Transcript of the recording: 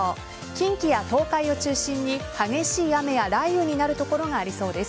近畿や東海を中心に激しい雨や雷雨になる所がありそうです。